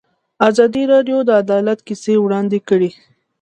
ازادي راډیو د عدالت کیسې وړاندې کړي.